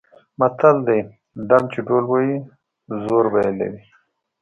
متل دی: ډم چې ډول وهي زور به یې لري.